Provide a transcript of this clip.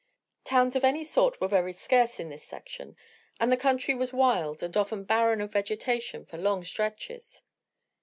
Towns of any sort were very scarce in this section and the country was wild and often barren of vegetation for long stretches.